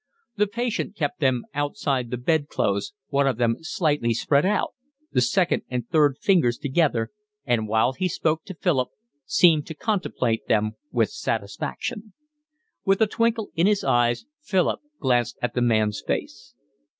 The patient kept them outside the bed clothes, one of them slightly spread out, the second and third fingers together, and, while he spoke to Philip, seemed to contemplate them with satisfaction. With a twinkle in his eyes Philip glanced at the man's face.